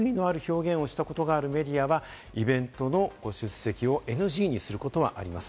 ただし事実と異なる、過度に悪意のある表現をしたことがあるメディアはイベントのご出席をＮＧにすることはあります。